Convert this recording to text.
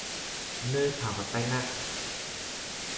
nơi thảo gặp tai nạn